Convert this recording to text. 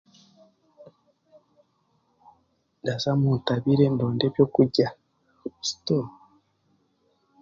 Ndaza omu ntabire ndonde eby'okurya.